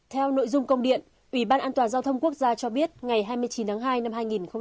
theo nội dung công điện ủy ban an toàn giao thông quốc gia cho biết ngày hai mươi chín tháng hai năm hai nghìn hai mươi